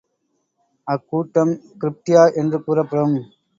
அக்கூட்டம் கிரிப்டியா என்று கூறப்படும்.